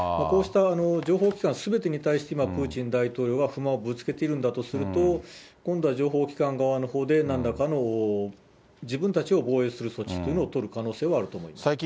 こうした情報機関すべてに対して、今、プーチン大統領は不満をぶつけているんだとすると、今度は情報機関側のほうで、なんらかの、自分たちを防衛する措置というのを取る可能性はあると思います。